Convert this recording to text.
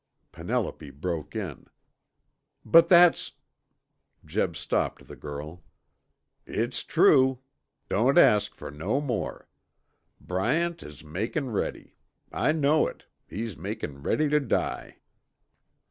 Penelope broke in. "But that's " Jeb stopped the girl. "It's true. Don't ask fer no more. Bryant is makin' ready. I know it, he's makin' ready tuh die."